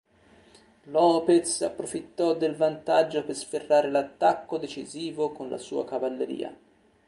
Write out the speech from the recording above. López approfittò del vantaggio per sferrare l'attacco decisivo con la sua cavalleria.